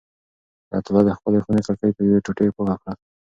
حیات الله د خپلې خونې کړکۍ په یوې ټوټې پاکه کړه.